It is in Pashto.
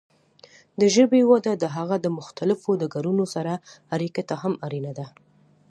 د ژبې وده د هغه د مختلفو ډګرونو سره اړیکې ته هم اړینه ده.